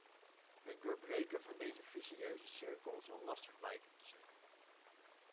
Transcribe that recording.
Het doorbreken van deze vicieuze cirkel zal lastig blijken te zijn.